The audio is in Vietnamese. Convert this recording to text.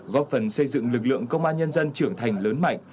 góp phần xây dựng lực lượng công an nhân dân trưởng thành lớn mạnh